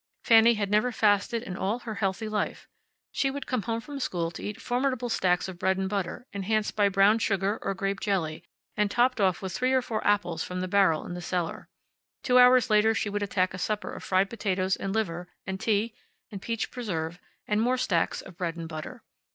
Fanny had never fasted in all her healthy life. She would come home from school to eat formidable stacks of bread and butter, enhanced by brown sugar or grape jelly, and topped off with three or four apples from the barrel in the cellar. Two hours later she would attack a supper of fried potatoes, and liver, and tea, and peach preserve, and more stacks of bread and butter.